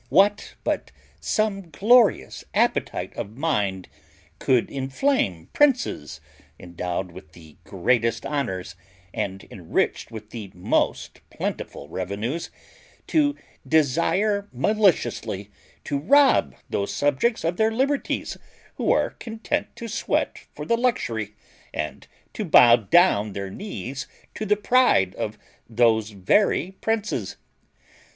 What but some such glorious appetite of mind could inflame princes, endowed with the greatest honours, and enriched with the most plentiful revenues, to desire maliciously to rob those subjects of their liberties who are content to sweat for the luxury, and to bow down their knees to the pride, of those very princes?